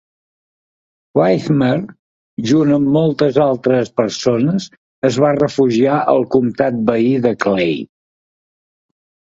Whitmer, junt amb moltes altres persones, es va refugiar al comtat veí de Clay.